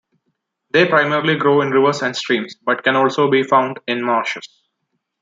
They primarily grow in rivers and streams, but can also be found in marshes.